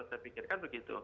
saya pikirkan begitu